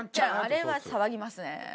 あれは騒ぎますね。